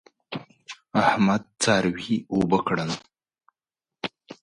احمد څاروي اوبه کړل.